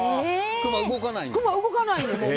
クマ動かないの。